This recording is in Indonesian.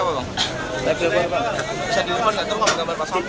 pak diam pak